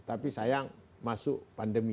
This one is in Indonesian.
tapi sayang masuk pandemi